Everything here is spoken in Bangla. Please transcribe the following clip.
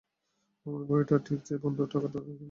আমার বউ এটা ঠিক যে বন্ধু থাকাটা দরকার।